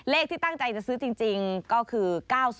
ที่ตั้งใจจะซื้อจริงก็คือ๙๐